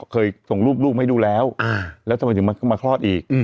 เคยส่งรูปให้ดูแล้วแล้วทำไมถึงมาคลอดอีก